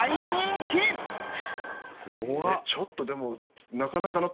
ちょっとでも。